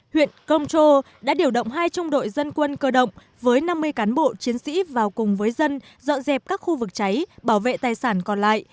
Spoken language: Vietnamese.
huyện công châu đã điều động hai trung đội dân quân cơ động với năm mươi cán bộ chiến sĩ vào cùng với dân dọn dẹp các khu vực cháy bảo vệ tài sản còn lại